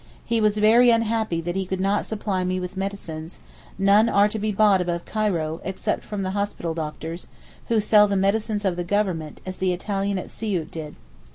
He was very unhappy that he could not supply me with medicines; none are to be bought above Cairo, except from the hospital doctors, who sell the medicines of the Government, as the Italian at Siout did.